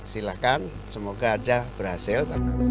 silahkan semoga aja berhasil